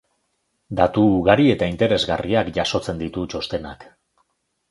Datu ugari eta interesgarriak jasotzen ditu txostenak.